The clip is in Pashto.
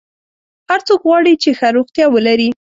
هر څوک غواړي چې ښه روغتیا ولري.